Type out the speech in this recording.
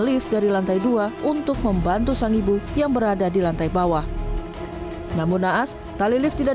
lift dari lantai dua untuk membantu sang ibu yang berada di lantai bawah namun naas tali lift tidak